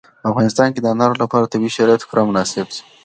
په افغانستان کې د انارو لپاره طبیعي شرایط پوره مناسب دي.